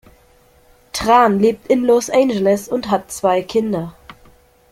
Tran lebt in Los Angeles und hat zwei Kinder.